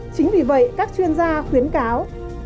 chính vì vậy các chuyên gia khuyến cáo